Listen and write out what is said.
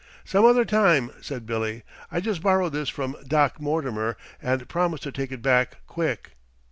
"Some other time," said Billy. "I just borrowed this from Doc Mortimer and promised to take it back quick."